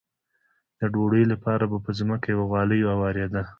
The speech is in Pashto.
د ډوډۍ لپاره به په ځمکه یوه غالۍ اوارېده.